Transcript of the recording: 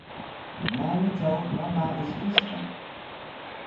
Naanitraw mamaa ishkishqa.